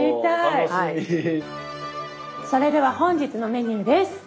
それでは本日のメニューです。